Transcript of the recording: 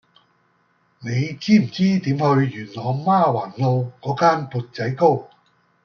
你知唔知點去元朗媽橫路嗰間缽仔糕